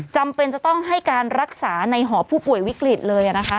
จำเป็นจะต้องให้การรักษาในหอผู้ป่วยวิกฤตเลยนะคะ